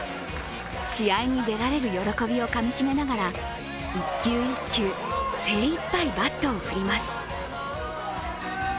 試合に出られる喜びをかみしめながら一球一球、精いっぱいバットを振ります。